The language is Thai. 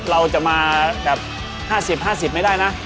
เราจะมาแบบ๕๐๕๐ไม่ได้นะ